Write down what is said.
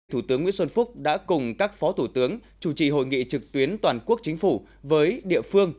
thủ tướng nguyễn xuân phúc đã cùng các phó thủ tướng chủ trì hội nghị trực tuyến toàn quốc chính phủ với địa phương